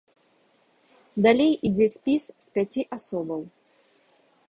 Далей ідзе спіс з пяці асобаў.